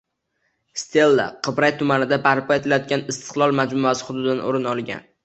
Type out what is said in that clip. Stella Qibray tumanida barpo etilayotgan “Istiqlol” majmuasi hududidan o‘rin olgan